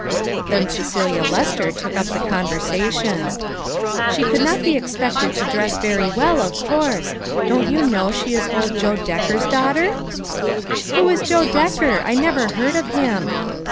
Then Cecelia Lester took up the conversation: "She could not be expected to dress very 152 LITTLE FISHERS I AND THEIE NETS. well, of course. Don't you know she is old Joe Decker's daughter?" " Who is Joe Decker ? I never heard of him."